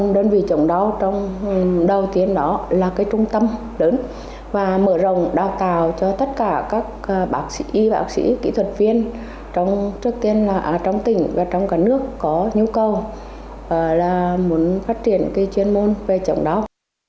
đơn vị chống đau trong đầu tiên là trung tâm lớn và mở rồng đào tạo cho tất cả các bác sĩ kỹ thuật viên trong tỉnh và trong cả nước có nhu cầu muốn phát triển chuyên môn về chống đau